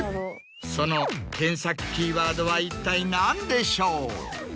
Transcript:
その検索キーワードは一体何でしょう？